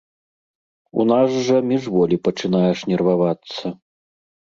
У нас жа міжволі пачынаеш нервавацца.